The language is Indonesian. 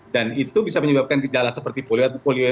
dan itu bisa menyebabkan kejala seperti polio